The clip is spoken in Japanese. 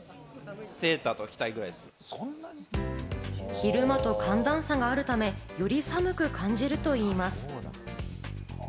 昼間と寒暖差があるため、より寒く感じるといいます。